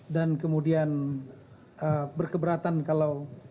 dan kemudian berkeberatan kalau